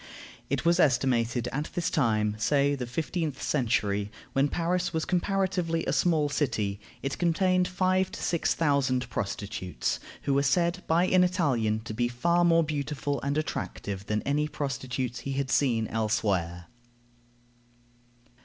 It was estimated that at this time, say the fifteenth century, when Paris was comparatively a small city, it contained five to six thousand prostitutes, who were said by an Italian to be far more beautiful and attractive than any prostitutes he had seen elsewhere.